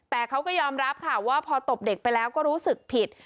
แต่เขาก็ยอมรับค่ะว่าพอตบเด็กไปแล้วก็รู้สึกผิด